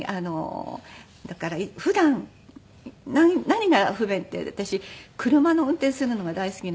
だから普段何が不便って私車の運転するのが大好きなので。